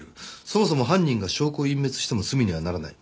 そもそも犯人が証拠を隠滅しても罪にはならない。